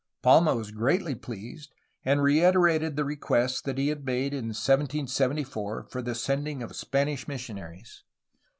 Palma was greatly pleased, and reiterated the requests that he had made in 1774 for the sending of Spanish missionaries.